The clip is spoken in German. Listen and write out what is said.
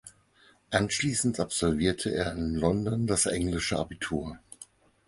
Anschließend absolvierte er in London das englische Abitur.